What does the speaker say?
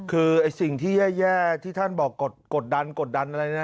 คือสิ่งที่แย่ที่ท่านบอกกดดันกดดันอะไรนะ